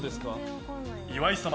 岩井様